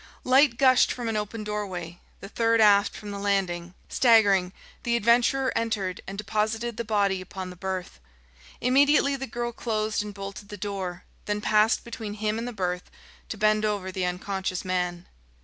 Light gushed from an open doorway, the third aft from the landing. Staggering, the adventurer entered and deposited the body upon the berth. Immediately the girl closed and bolted the door, then passed between him and the berth to bend over the unconscious man.